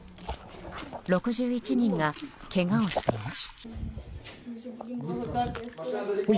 ６１人がけがをしています。